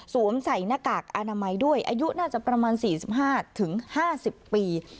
สวมใส่หน้ากากอนามัยด้วยอายุน่าจะประมาณสี่สิบห้าถึงห้าสิบปี